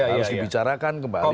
harus dibicarakan kembali